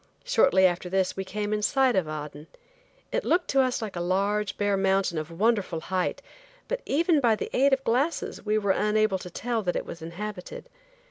Shortly after this we came in sight of Aden. It looked to us like a large, bare mountain of wonderful height, but even by the aid of glasses we were unable to tell that it was inhabited.